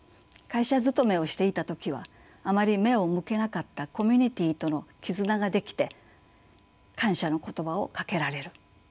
会社勤めをしていた時はあまり目を向けなかったコミュニティーとの絆が出来て感謝の言葉をかけられる。